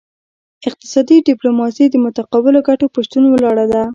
اقتصادي ډیپلوماسي د متقابلو ګټو په شتون ولاړه ده